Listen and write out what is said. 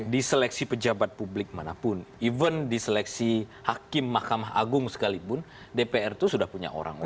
di seleksi pejabat publik manapun even di seleksi hakim mahkamah agung sekalipun dpr itu sudah punya orang orang